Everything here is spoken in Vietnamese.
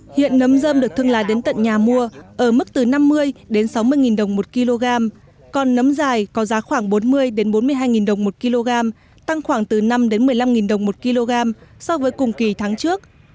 hiện nấm dơm được thương lái đến tận nhà mua ở mức từ năm mươi đến sáu mươi đồng một kg còn nấm dài có giá khoảng bốn mươi bốn mươi hai đồng một kg tăng khoảng từ năm một mươi năm đồng một kg so với cùng kỳ tháng trước